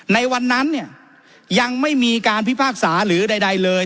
ในวันนั้นเนี่ยยังไม่มีการพิพากษาหรือใดเลย